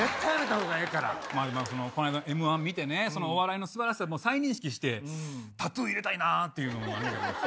この間、Ｍー１見てね、お笑いのすばらしさ再認識して、タトゥー入れたいなっていうのもあるねん。